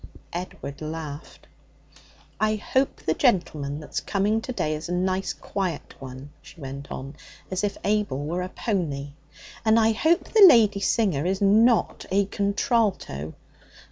Edward laughed. 'I hope the gentleman that's coming to day is a nice quiet one,' she went on, as if Abel were a pony. 'And I hope the lady singer is not a contralto.